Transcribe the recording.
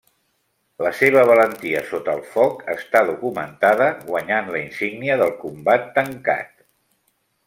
La seva valentia sota el foc està documentada, guanyant la Insígnia del Combat Tancat.